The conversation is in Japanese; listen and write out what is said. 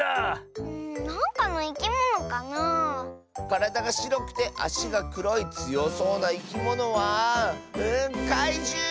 からだがしろくてあしがくろいつよそうないきものはかいじゅう！